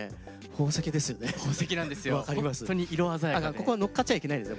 ここは乗っかっちゃいけないですね